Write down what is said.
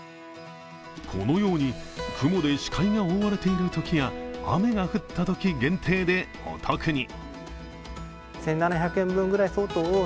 このように、雲で視界が覆われているときや雨が降ったとき限定でお得に。